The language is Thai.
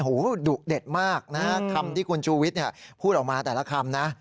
โอ้โหดุเด็ดมากนะคำที่คุณชูวิทย์พูดออกมาแต่ละคำนะ